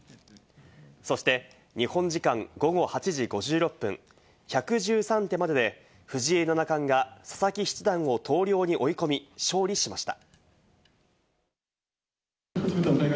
そして、日本時間午後８時５６分、１１３手までで藤井七冠が佐々木七段を投了に追い込み、勝利しました。